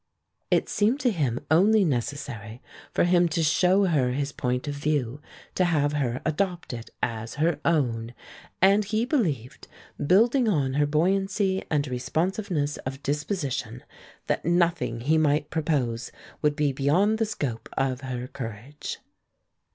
It seemed to him only necessary for him to show her his point of view to have her adopt it as her own; and he believed, building on her buoyancy and responsiveness of disposition, that nothing he might propose would be beyond the scope of her courage.